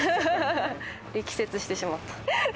力説してしまった。